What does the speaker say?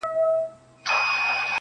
جهاني نن مي له زاهده نوې واورېدله٫